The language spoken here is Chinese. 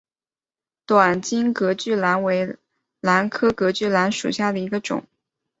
短茎隔距兰为兰科隔距兰属下的一个种。